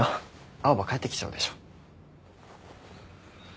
青羽帰ってきちゃうでしょ。